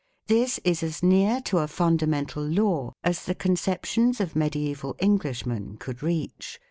This is as near to a fundamental law as the conceptions of mediaeval Englishmen could reach.